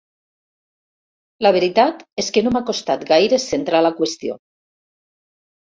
La veritat és que no m'ha costat gaire centrar la qüestió.